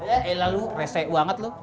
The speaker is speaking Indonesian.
eh elah lu rese banget lu